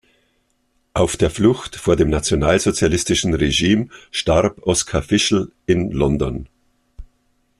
Auf der Flucht vor dem nationalsozialistischen Regime starb Oskar Fischel in London.